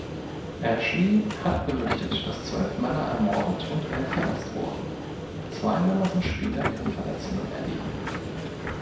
Ashley hat berichtet, das zwölf Männer ermordet und elf verletzt wurden. Zwei Männer sind später ihren Verletzungen erlegen.